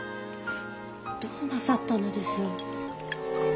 どうなさったのです。